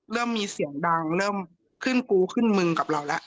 เริ่มมีเสียงดังเริ่มขึ้นกูขึ้นมึงกับเราแล้ว